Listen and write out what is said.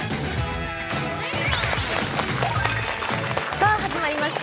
さあ始まりました